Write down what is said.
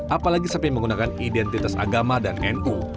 apalagi sampai menggunakan identitas agama dan nu